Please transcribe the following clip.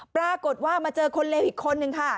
ปรากฏว่ามาเจอคนเลวอีกคนนึงค่ะ